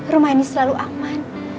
rumah ini selalu aman